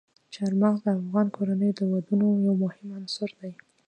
چار مغز د افغان کورنیو د دودونو یو مهم عنصر دی.